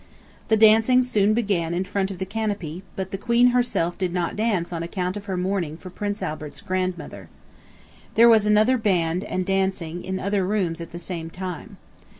The dancing soon began in front of the canopy, but the Queen herself did not dance on account of her mourning for Prince Albert's grandmother. There was another band and dancing in other rooms at the same time.